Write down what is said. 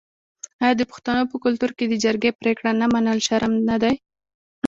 آیا د پښتنو په کلتور کې د جرګې پریکړه نه منل شرم نه دی؟